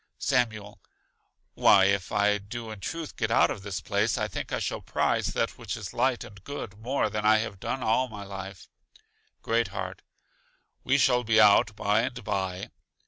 Samuel: Why, if I do in truth get out of this place, I think I shall prize that which is light and good more than I have done all my life. Great heart: We shall be out by and by.